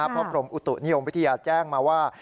เพราะกรมอุตุนิยมวิทยาแจ้งมาว่า